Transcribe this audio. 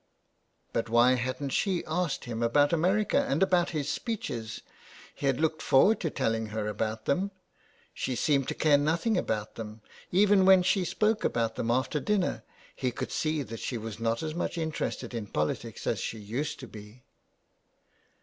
'' But why hadn't she asked him about America and about his speeches ? He had looked forward to telling her about them. She seemed to care nothing about them ; even when she spoke about them after dinner, he could see that she was not as much interested in politics as she used to be.